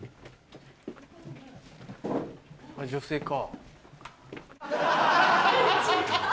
女性か。